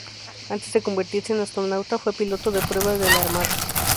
Antes de convertirse en astronauta fue piloto de pruebas de la Armada.